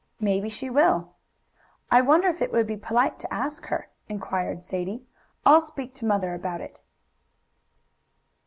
"Maybe she will." "I wonder if it would be polite to ask her?" inquired Sadie. "I'll speak to mother about it."